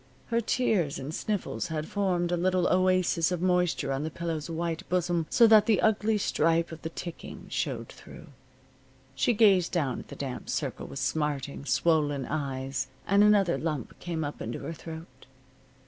Her tears and sniffles had formed a little oasis of moisture on the pillow's white bosom so that the ugly stripe of the ticking showed through. She gazed down at the damp circle with smarting, swollen eyes, and another lump came up into her throat.